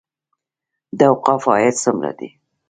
د اوقافو عاید څومره دی؟